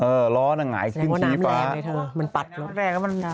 เออรอน่ะหงายขึ้นชี้ฟ้าแสดงว่าน้ำแรงเลยเถอะมันปัดรถแรงก็มันได้